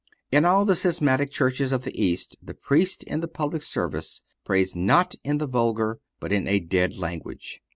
In all the schismatic churches of the East the Priest in the public service prays not in the vulgar, but in a dead language.